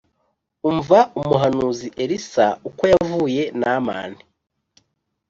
Umva umuhanuzi Elisa, Uko yavuye Namani